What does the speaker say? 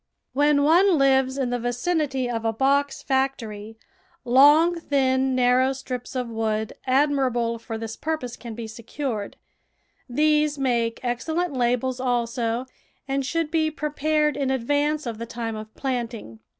When one lives in the vicinity of a CONSTRUCTION AND CARE OF HOTBEDS box factory, long, thin, narrow strips of wood ad mirable for this purpose can be secured. These make excellent labels, also, and should be pre pared in advance of the time of planting.